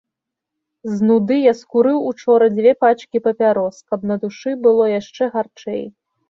З нуды я скурыў учора дзве пачкі папярос, каб на душы было яшчэ гарчэй.